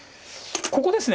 ここですね